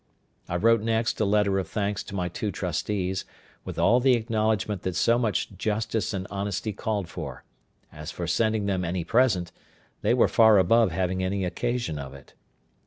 I wrote next a letter of thanks to my two trustees, with all the acknowledgment that so much justice and honesty called for: as for sending them any present, they were far above having any occasion of it.